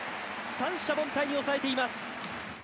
三者凡退に抑えています。